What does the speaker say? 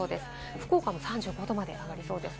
福岡も３５度まで上がりそうです。